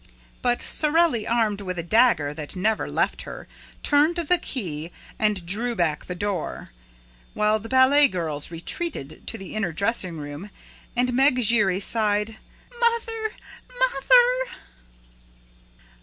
But Sorelli, armed with a dagger that never left her, turned the key and drew back the door, while the ballet girls retreated to the inner dressing room and Meg Giry sighed: "Mother! Mother!"